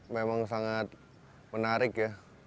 memang sangat menarik ya